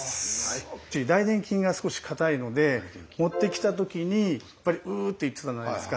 大臀筋が少し硬いので持ってきた時にやっぱり「う」って言ってたじゃないですか。